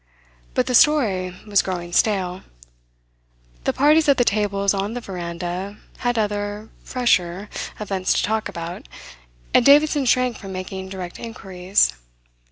But the story was growing stale. The parties at the tables on the veranda had other, fresher, events to talk about and Davidson shrank from making direct inquiries.